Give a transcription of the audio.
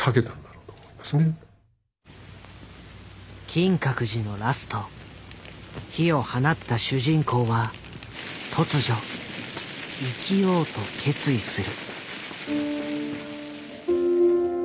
「金閣寺」のラスト火を放った主人公は突如「生きよう」と決意する。